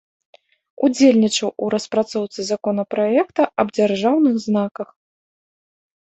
Удзельнічаў у распрацоўцы законапраекта аб дзяржаўных знаках.